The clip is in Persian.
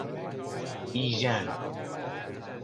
بیژن